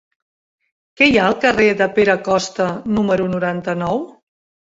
Què hi ha al carrer de Pere Costa número noranta-nou?